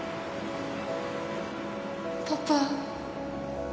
パパ。